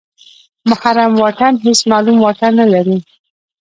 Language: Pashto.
محرم واټن هېڅ معلوم واټن نلري.